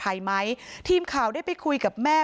พร้อมด้วยผลตำรวจเอกนรัฐสวิตนันอธิบดีกรมราชทัน